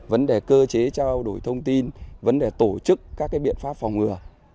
vấn đề cơ chế trao đổi thông tin vấn đề tổ chức các biện pháp phòng ngừa